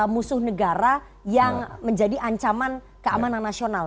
musuh negara yang menjadi ancaman keamanan nasional